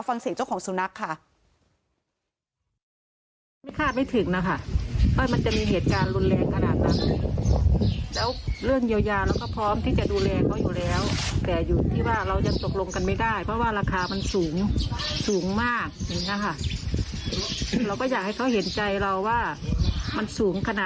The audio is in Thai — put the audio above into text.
ฟังเสียงเจ้าของสุนัขค่ะ